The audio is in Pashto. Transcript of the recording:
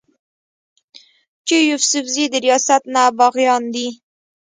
چې يوسفزي د رياست نه باغيان دي